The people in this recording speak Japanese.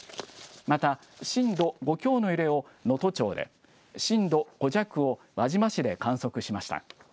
また、震度５強の揺れを能登町で、震度５弱を輪島市で観測しました。